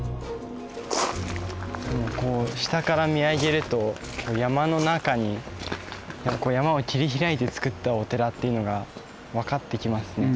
こう下から見上げると山の中に山を切り開いて作ったお寺っていうのが分かってきますね。